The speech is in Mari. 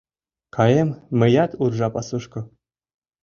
...Каем мыят уржа пасушко